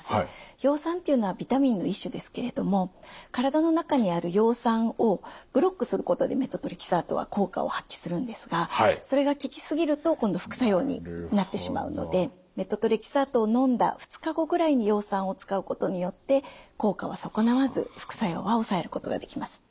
葉酸というのはビタミンの一種ですけれども体の中にある葉酸をブロックすることでメトトレキサートは効果を発揮するんですがそれが効き過ぎると今度副作用になってしまうのでメトトレキサートをのんだ２日後ぐらいに葉酸を使うことによって効果は損なわず副作用は抑えることができます。